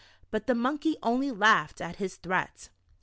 But the Monkey only laughed at this threat.